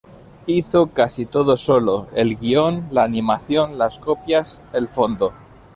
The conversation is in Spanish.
Hizo casi todo solo: el guion, la animación, las copias, el fondo.